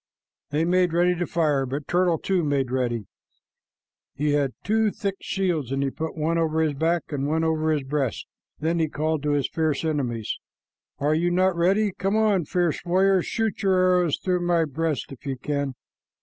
They made ready to fire, but Turtle, too, made ready. He had two thick shields, and he put one over his back and one over his breast. Then he called to his fierce enemies, "Are you not ready? Come on, fierce warriors! Shoot your arrows through my breast if you can."